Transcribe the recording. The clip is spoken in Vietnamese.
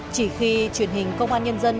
chỉ khi truyền hình công an nhân dân